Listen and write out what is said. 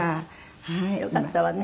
よかったわね。